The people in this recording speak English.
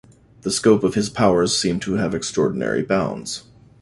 The scope of his powers seem to have extraordinary bounds.